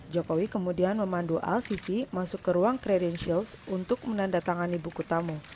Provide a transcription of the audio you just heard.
jokowi kemudian memandu al sisi masuk ke ruang kredensials untuk menandatangani buku tamu